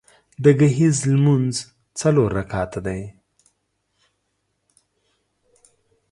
د ګهیځ لمونځ څلور رکعته ده